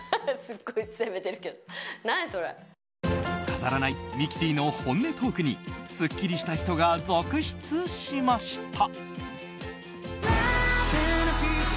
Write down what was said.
飾らないミキティの本音トークにスッキリした人が続出しました。